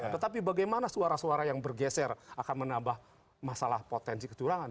tetapi bagaimana suara suara yang bergeser akan menambah masalah potensi kecurangan